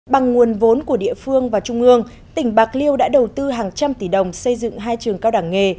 bằng nguồn vốn của địa phương và trung ương tỉnh bạc liêu đã đầu tư hàng trăm tỷ đồng xây dựng hai trường cao đẳng nghề